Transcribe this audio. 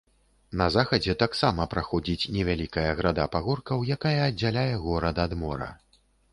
На захадзе таксама праходзіць невялікая града пагоркаў, якая аддзяляе горад ад мора.